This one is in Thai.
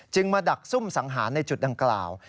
มาดักซุ่มสังหารในจุดดังกล่าว